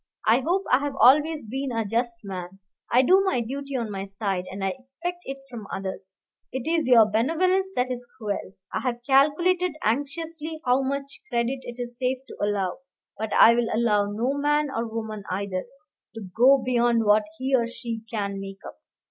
I hope I have always been a just man. I do my duty on my side, and I expect it from others. It is your benevolence that is cruel. I have calculated anxiously how much credit it is safe to allow; but I will allow no man, or woman either, to go beyond what he or she can make up.